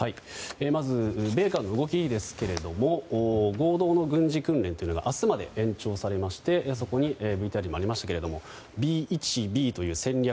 まずレーダーの動きですが米韓合同の軍事訓練というのが明日まで延長されましてＶＴＲにもありましたがＢ１Ｂという戦略